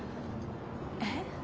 えっ？